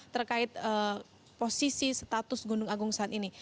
terkait posisi status gunung agung saat ini